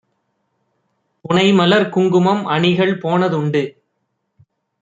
புனைமலர்குங் குமம்அணிகள் போனதுண்டு;